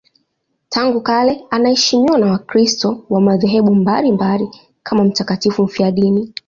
Tangu kale anaheshimiwa na Wakristo wa madhehebu mbalimbali kama mtakatifu mfiadini.